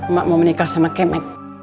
mak mau menikah sama kemet